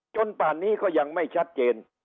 ป่านนี้ก็ยังไม่ชัดเจน